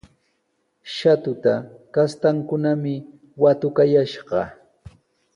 Shatuta kastankunami watukayashqa.